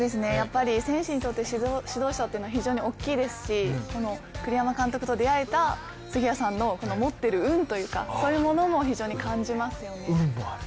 選手にとって指導者というのは非常に大きいですし、栗山監督と出会えた杉谷さんの持っている運とか、そういうものも非常に感じますよね。